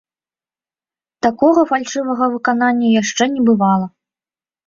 Такога фальшывага выканання яшчэ не бывала.